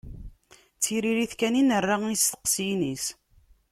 D tiririt kan i nerra i yesteqsiyen-is.